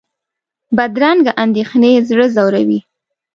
بدرنګه اندېښنې زړه ځوروي